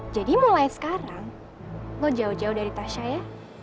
jadi mulai sekarang lo jauh jauh dari tasya ya